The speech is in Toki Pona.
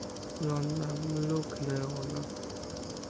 lon la, mi lukin e ona.